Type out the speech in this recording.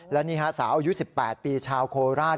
และนี่ฮะสาวอายุ๑๘ปีชาวโคราช